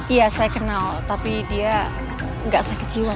iya saya kenal tapi dia nggak sakit jiwa